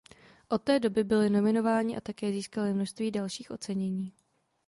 Od té doby byli nominováni a také získali množství dalších ocenění.